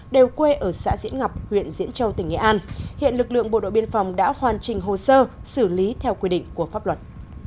đều quê ở xã diễn ngọc huyện diễn châu tỉnh nghệ an hiện lực lượng bộ đội biên phòng đã hoàn trình hồ sơ xử lý theo quy định của pháp luật